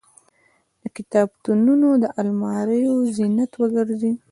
د کتابتونونو د الماریو زینت وګرځي.